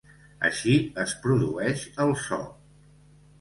Així es produeix el so.